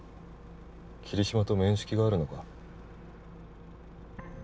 桐島と面識があるのか？